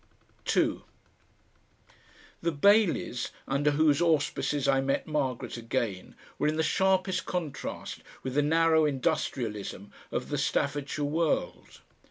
2 The Baileys, under whose auspices I met Margaret again, were in the sharpest contrast with the narrow industrialism of the Staffordshire world.